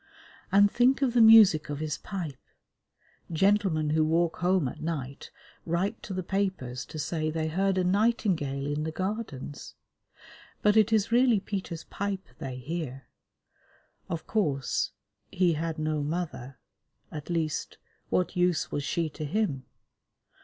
And think of the music of his pipe. Gentlemen who walk home at night write to the papers to say they heard a nightingale in the Gardens, but it is really Peter's pipe they hear. Of course, he had no mother at least, what use was she to him?